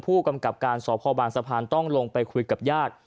ผู้กำกับการสพบางสะพานต้องลงไปคุยกับญาติ